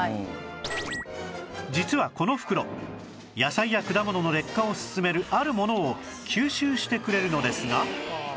実はこの袋野菜や果物の劣化を進めるあるものを吸収してくれるのですが